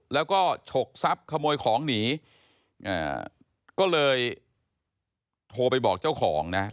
แล้วก็ฉกทรัพย์ขโมยของหนีก็เลยโทรไปบอกเจ้าของนะครับ